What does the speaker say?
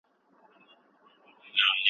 جاسوس زهر خوړلي دي.